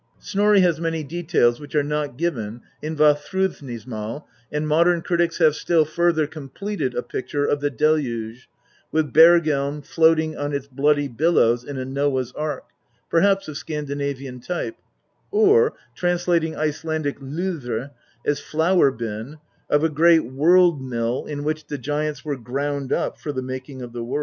Snorri has many details which are not given in Vafj>ru|>nismal, and modern critics have still further completed a picture of the deluge, with Bergelm floating on its bloody billows in a Noah's ark, perhaps of Scandinavian type ; or, translating Icelandic lu)>r as flour bin, of a great world mill in which the giants were ground up for the making of the world.